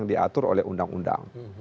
diatur oleh undang undang